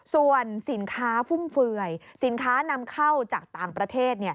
ส่วนสินค้าฟุ่มเฟื่อยสินค้านำเข้าจากต่างประเทศ